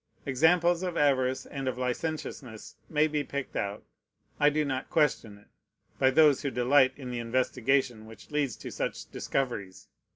Examples of avarice and of licentiousness may be picked out, I do not question it, by those who delight in the investigation which leads to such discoveries.